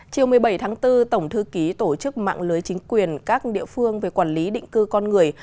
chiều một mươi bảy tháng bốn tổng thư ký tổ chức mạng lưới chính quyền các địa phương về quản lý định cư con người